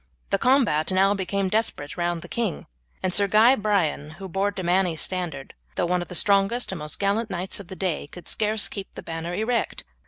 The combat now became desperate round the king, and Sir Guy Brian, who bore De Manny's standard, though one of the strongest and most gallant knights of the day, could scarce keep the banner erect.